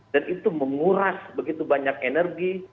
dan itu menguras begitu banyak energi